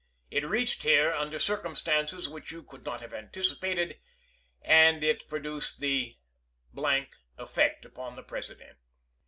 It reached here under circum stances which you could not have anticipated, and it pro duced the effect upon the President.